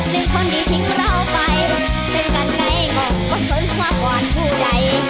ถึงคนที่ทิ้งเราไปถึงกันไงงบก็สนความหวานผู้ใด